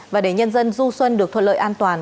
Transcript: và để nhân dân du xuân được thuận lợi an toàn